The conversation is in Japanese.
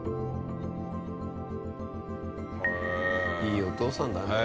いいお父さんだね。